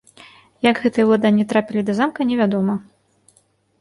Як гэтыя ўладанні трапілі да замка, не вядома.